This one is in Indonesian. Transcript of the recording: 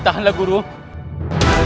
wah sayang gua udahsomazep